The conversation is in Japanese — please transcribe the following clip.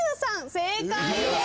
正解です。